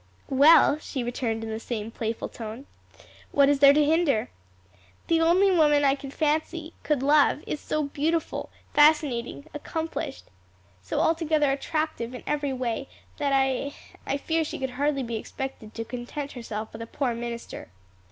"Well," she returned in the same playful tone, "what is there to hinder?" "The only woman I could fancy, could love, is so beautiful, fascinating, accomplished, so altogether attractive in every way, that I fear she could hardly be expected to content herself with a poor minister."